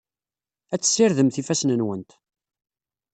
Ad tessirdemt ifassen-nwent.